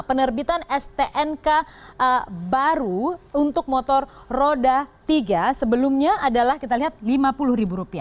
penerbitan stnk baru untuk motor roda tiga sebelumnya adalah kita lihat rp lima puluh